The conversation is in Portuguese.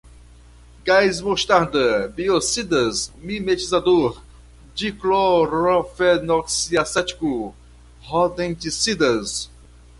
gás mostarda, biocidas, mimetizador, diclorofenoxiacético, rodenticidas